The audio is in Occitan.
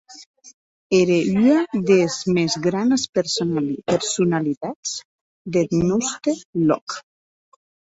Ère ua des mès granes personalitats deth nòste lòc.